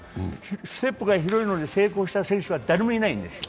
ステップが広いのに成功した選手は誰もいないんです。